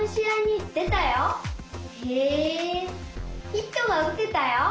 ヒットがうてたよ。